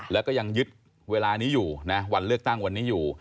แล้วก็ยังยึดเวลานี้อยู่นะวันเลือกตั้งวันนี้อยู่